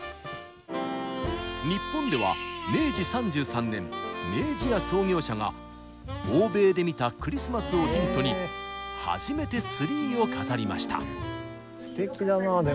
日本では明治３３年明治屋創業者が欧米で見たクリスマスをヒントに初めてツリーを飾りました。